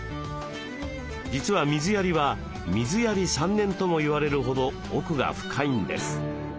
実は水やりは「水やり３年」とも言われるほど奥が深いんです。